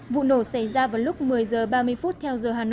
vụ nổ xảy ra vào lúc một mươi h ba mươi